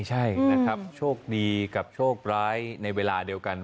ใช่นะครับโชคดีกับโชคร้ายในเวลาเดียวกัน